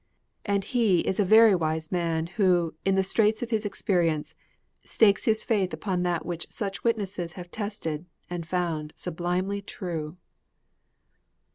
And he is a very wise man who, in the straits of his experience, stakes his faith upon that which such witnesses have tested and have found sublimely true.